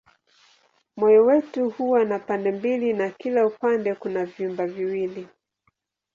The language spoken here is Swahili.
Moyo wetu huwa na pande mbili na kila upande kuna vyumba viwili.